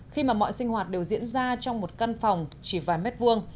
khi mà mọi sinh hoạt đều diễn ra trong một căn phòng chỉ vài mét vuông